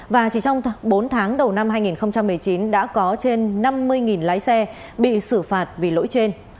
và chỉ trong bốn tháng đầu năm hai nghìn một mươi chín đã có trên năm mươi lái xe bị xử phạt vì lỗi trên